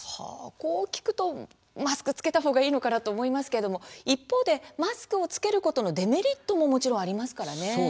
こう聞くとマスク着けた方がいいのかなと思いますけれども一方でマスクを着けることのデメリットももちろんありますからね。